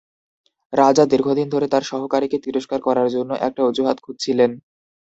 রাজা দীর্ঘদিন ধরে তার সহকারীকে তিরস্কার করার জন্য একটা অজুহাত খুঁজছিলেন।